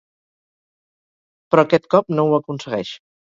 Però aquest cop no ho aconsegueix.